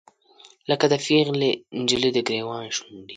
لکه د پیغلې نجلۍ، دګریوان شونډې